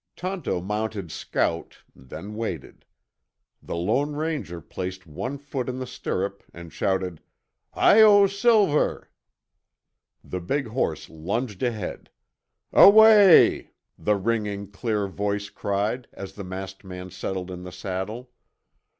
Tonto mounted Scout, then waited. The Lone Ranger placed one foot in the stirrup and shouted, "Hi Yo Silver!" The big horse lunged ahead. "Away y y," the ringing, clear voice cried as the masked man settled in the saddle.